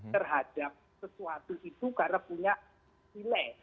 terhadap sesuatu itu karena punya nilai